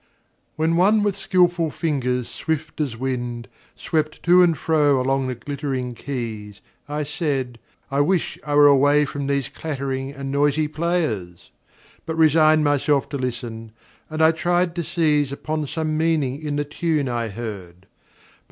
WHEN one with skillful fingers swift as wind Swept to and fro along the glittering keys, I said: I wish I were away from these Clattering and noisy players! but resigned Myself to listen, and I tried to seize Upon some meaning in the tune I heard.